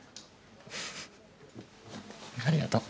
ありがとう。